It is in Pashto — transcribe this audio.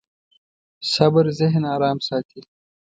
صبر ذهن ارام ساتي.